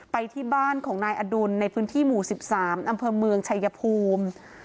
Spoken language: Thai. ไปที่บ้านของนายอดุลในพื้นที่หมู่๑๓อำเภอเมืองชายภูมิ